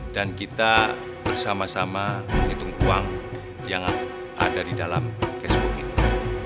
dan kita bersama sama menghitung uang yang ada di dalam cashbook ini